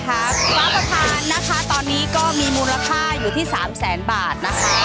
ฟ้าประธานนะคะตอนนี้ก็มีมูลค่าอยู่ที่๓แสนบาทนะคะ